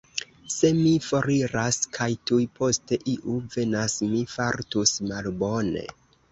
Se mi foriras kaj tuj poste iu venas, mi fartus malbone.